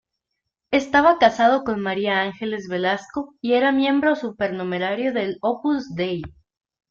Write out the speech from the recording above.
Estaba casado con María Ángeles Velasco y era miembro supernumerario del Opus Dei.